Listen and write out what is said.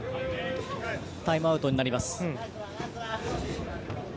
タイムアウトになります。